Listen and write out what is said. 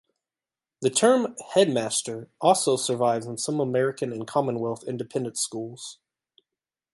The term "headmaster" also survives in some American and Commonwealth independent schools.